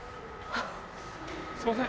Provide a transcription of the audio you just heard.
すいません。